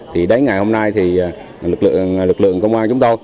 thì đến ngày hôm nay thì lực lượng công an chúng tôi